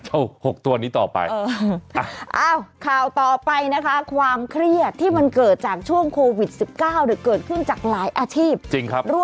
คุณพ่อคุณแม่ก็บอกว่าเป็นห่วงเด็กมากที่สุด